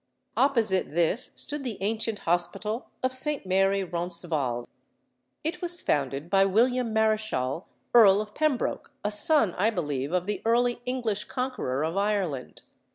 Opposite this stood the ancient Hospital of St. Mary Roncevalles. It was founded by William Marechal, Earl of Pembroke, a son, I believe, of the early English conqueror of Ireland.